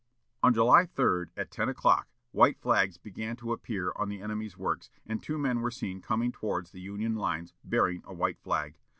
On July 3, at ten o'clock, white flags began to appear on the enemy's works, and two men were seen coming towards the Union lines, bearing a white flag.